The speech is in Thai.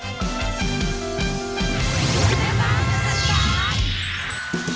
เป็นไงบ้าง